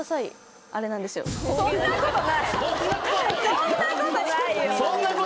そんなことないよ。